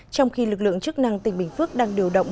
trong khi lực lượng chức năng tỉnh bình phước đang điều động